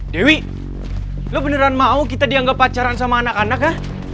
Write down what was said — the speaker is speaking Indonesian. dewi lo beneran mau kita dianggap pacaran sama anak anak ya